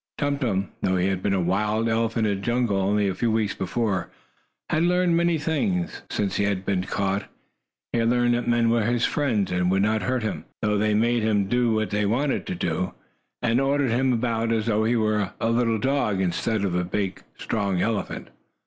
Tum Tum, though he had been a wild elephant in the jungle only a few weeks before, had learned many things, since he had been caught. He had learned that men were his friends, and would not hurt him, though they made him do as they wanted him to, and ordered him about as though he were a little dog instead of a big, strong elephant.